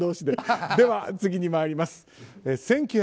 では、次に参ります。